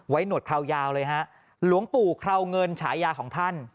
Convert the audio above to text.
หนวดคราวยาวเลยฮะหลวงปู่คราวเงินฉายาของท่าน